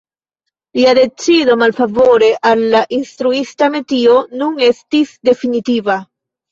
Lia decido malfavore al la instruista metio nun estis definitiva.